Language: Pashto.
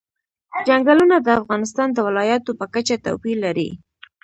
چنګلونه د افغانستان د ولایاتو په کچه توپیر لري.